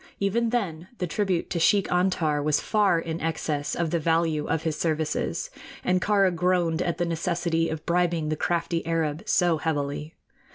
Even then the tribute to Sheik Antar was far in excess of the value of his services, and Kāra groaned at the necessity of bribing the crafty Arab so heavily.